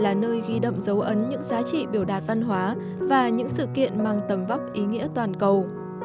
là nơi ghi đậm dấu ấn những giá trị biểu đạt văn hóa và những sự kiện mang tầm vóc ý nghĩa toàn cầu